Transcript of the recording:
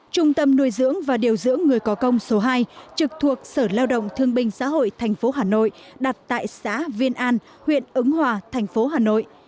trung tâm nuôi dưỡng và điều dưỡng người có công số hai trực thuộc sở lao động thương binh xã hội thành phố hà nội đặt tại xã viên an huyện ứng hòa thành phố hà nội